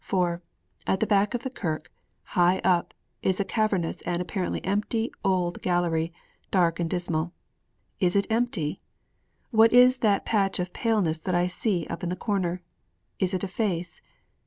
For, at the back of the kirk, high up, is a cavernous and apparently empty old gallery, dark and dismal. Is it empty? What is that patch of paleness that I see up in the corner? Is it a face?